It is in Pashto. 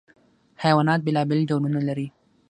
حیوانات بېلابېل ډولونه لري.